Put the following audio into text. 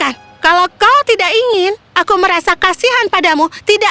jika kau tidak ingin aku tidak akan merasa kasihan padamu